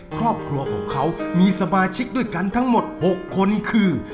ครอบครัวของเขามีสมาชิกด้วยกันทั้งหมด๖คนคือ